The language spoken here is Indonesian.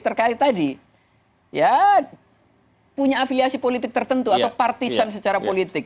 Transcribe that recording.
terkait tadi ya punya afiliasi politik tertentu atau partisan secara politik